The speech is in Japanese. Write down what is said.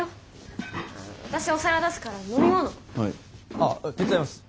あっ手伝います。